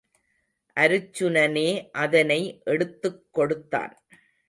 அருச்சுனனே அதனை எடுத்துக் கொடுத்தான்.